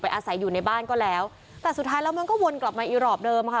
อาศัยอยู่ในบ้านก็แล้วแต่สุดท้ายแล้วมันก็วนกลับมาอีรอบเดิมค่ะ